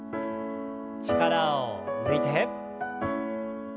力を抜いて。